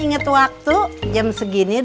ini jangan ada kgoes yang sudah mau alih dirumah